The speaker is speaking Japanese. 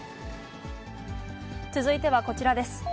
続いてはこちらです。